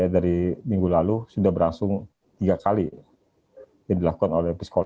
dari minggu lalu sudah berlangsung tiga kali yang dilakukan oleh psikolog